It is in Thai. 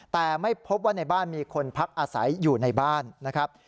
แต่ไม่พบว่าในบ้านมีคนพักอาศัยอยู่ในบ้านนะครับ